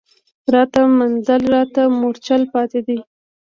راته منزل راته مورچل پاتي دی